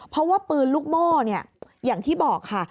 เพราะว่าปืนลูกโม่อย่างที่บอกค่ะ